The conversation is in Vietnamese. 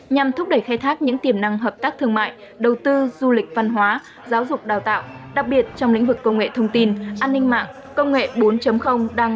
nhằm thúc đẩy khai thác những tiềm năng hợp tác thương mại đầu tư du lịch văn hóa giáo dục đào tạo đặc biệt trong lĩnh vực công nghệ thông tin an ninh mạng công nghệ bốn đang